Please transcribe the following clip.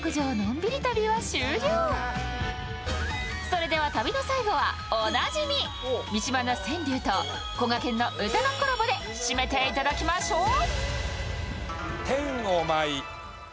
それでは、旅の最後はおなじみ三島の川柳とこがけんの歌のコラボで締めていただきましょう。